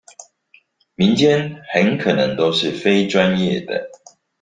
民間很可能都是非專業的